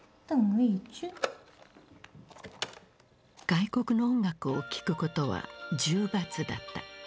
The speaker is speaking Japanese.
外国の音楽を聴くことは重罰だった。